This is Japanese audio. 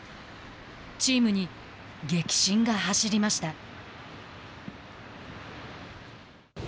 チームに激震が走りました。